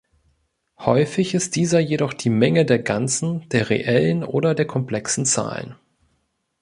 Häufig ist dieser jedoch die Menge der ganzen, der reellen oder der komplexen Zahlen.